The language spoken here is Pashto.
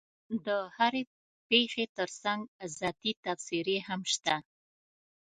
د هرې پېښې ترڅنګ ذاتي تبصرې هم شته.